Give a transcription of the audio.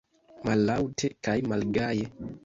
Mallaŭte kaj malgaje.